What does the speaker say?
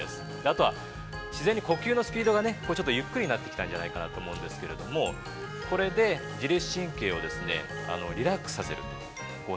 後は自然に呼吸のスピードがゆっくりになってきたんじゃないかなと思うんですけれども、これで、自律神経をリラックスさせる、リラックスさせる。